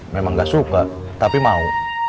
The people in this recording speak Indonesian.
memang gak suka tapi mau